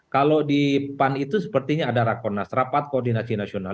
kalau di pan itu sepertinya ada rakornas rapat koordinasi nasional